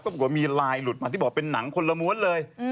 ปรากฏว่ามีไลน์หลุดมาที่บอกเป็นหนังคนละม้วนเลย